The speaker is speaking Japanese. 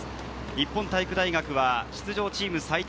日本体育大学は出場チーム最多